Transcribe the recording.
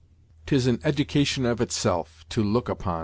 'tis an edication of itself, to look upon!"